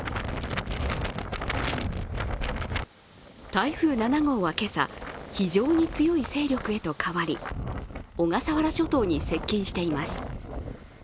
台風７号は今朝、非常に強い勢力へと変わり小笠原諸島に接近しています。